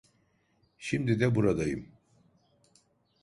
Şimdi de buradayım.